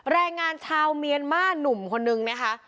แรงงานชาวเมียนมานุ่มคนนึงนะคะ